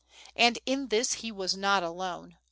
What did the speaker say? And in this he was not alone.